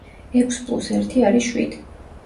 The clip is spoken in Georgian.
ექვს პლუს ერთი არის შვიდი.